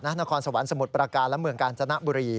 นครสวรรค์สมุทรประการและเมืองกาญจนบุรี